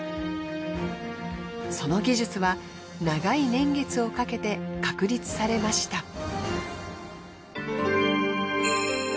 その技術は長い年月をかけて確立されました。